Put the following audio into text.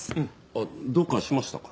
あっどうかしましたか？